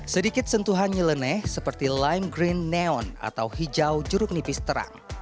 sedikit sentuhan nyeleneh seperti lime green neon atau hijau jeruk nipis terang